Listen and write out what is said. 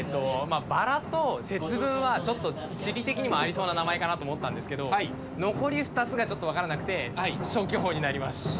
まあ「ばら」と「節分」はちょっと地理的にもありそうな名前かなと思ったんですけど残り２つがちょっと分からなくて消去法になりました。